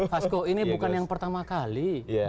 hasko ini bukan yang pertama kali